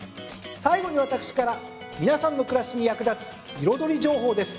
最後に私から皆さんの暮らしに役立つ彩り情報です。